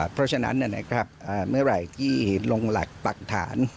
เพราะฉะนั้นเมื่อไหร่ที่ลงหลักปักฐาน